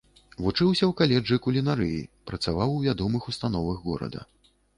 Вучыўся ў каледжы кулінарыі, працаваў у вядомых установах горада.